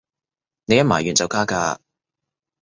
你一買完就加價